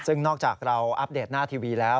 ซึ่งนอกจากเราอัปเดตหน้าทีวีแล้ว